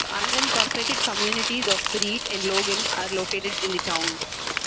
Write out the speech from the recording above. The unincorporated communities of Breed and Logan are located in the town.